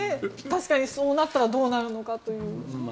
確かにそうなったらどうなるのかという。